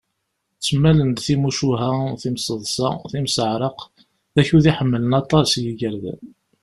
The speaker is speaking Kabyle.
Ttmalen-d timucuha, timseḍsa, timseɛraq, d akud iḥemmlen aṭas yigerdan.